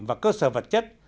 và cơ sở vật chất